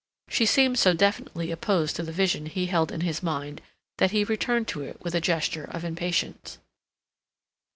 She seemed so definitely opposed to the vision he held in his mind that he returned to it with a gesture of impatience.